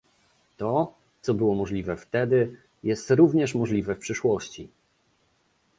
To, co było możliwe wtedy, jest również możliwe w przyszłości